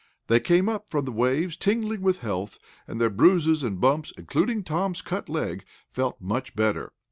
They came up from the waves, tingling with health, and their bruises and bumps, including Tom's cut leg, felt much better.